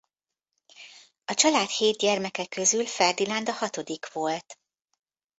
A család hét gyermeke közül Ferdinand a hatodik volt.